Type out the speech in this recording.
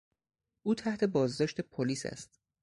او تحت بازداشت پلیس است.